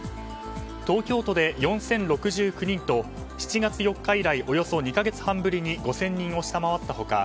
東京都で４０６９人と７月４日以来およそ２か月半ぶりに５０００人を下回った他